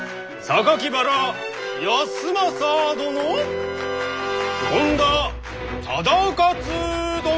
原康政殿本多忠勝殿。